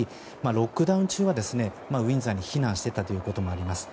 ロックダウン中はウィンザーに避難していたこともあります。